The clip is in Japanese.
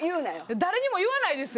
誰にも言わないですよ